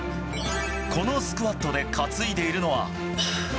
このスクワットで担いでいるのは。